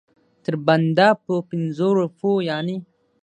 تر بنده په پنځو روپو یعنې.